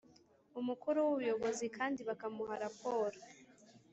Umukuru w Ubuyobozi kandi bakamuha raporo